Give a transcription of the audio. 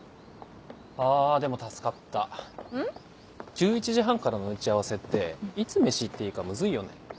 １１時半からの打ち合わせっていつメシ行っていいかムズいよね。